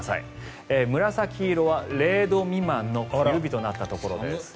紫色は０度未満の冬日となったところです。